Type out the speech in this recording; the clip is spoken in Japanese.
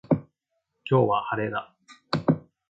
今日は、晴れだ。